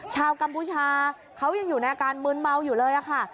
กัมพูชาเขายังอยู่ในอาการมืนเมาอยู่เลยค่ะ